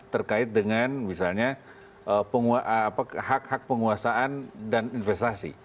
terkait dengan misalnya hak hak penguasaan dan investasi